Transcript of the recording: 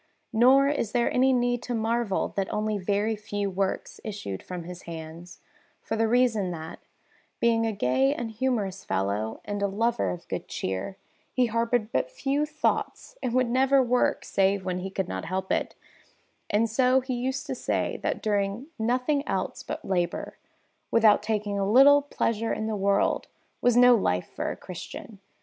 Nor is there any need to marvel that only very few works issued from his hands, for the reason that, being a gay and humorous fellow and a lover of good cheer, he harboured but few thoughts and would never work save when he could not help it; and so he used to say that doing nothing else but labour, without taking a little pleasure in the world, was no life for a Christian.